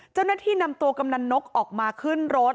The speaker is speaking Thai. เจ้าหน้าที่นำตัวกำนันนกออกมาขึ้นรถ